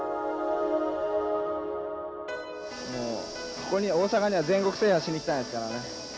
ここには大阪には全国制覇しに来たんですからね。